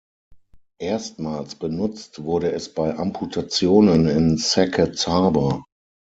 Erstmals benutzt wurde es bei Amputationen in Sackets Harbor.